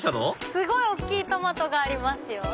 すごい大きいトマトがありますよ。